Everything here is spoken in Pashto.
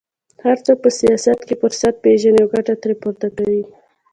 هر څوک په سیاست کې فرصت پېژني او ګټه ترې پورته کوي